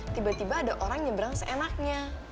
tiba tiba ada orang nyebrang seenaknya